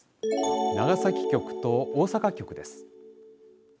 長崎局と大阪局です。